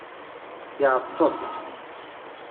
Yeɛḍes-d.